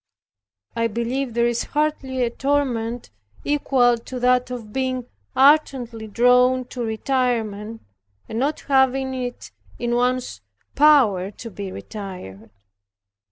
I believe there is hardly a torment equal to that of being ardently drawn to retirement, and not having it in one's power to be retired.